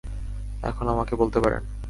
এখন আমাকে বলতে পারেন।